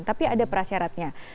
tapi ada perasyaratnya